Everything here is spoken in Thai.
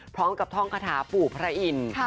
พร้อมกับท่องคาถาปู่พระอินทร์